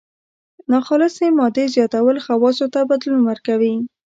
ناخالصې مادې زیاتول خواصو ته بدلون ورکوي.